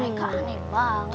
haikal aneh banget